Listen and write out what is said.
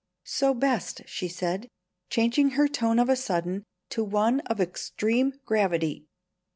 "So best," she said, changing her tone of a sudden to one of extreme gravity.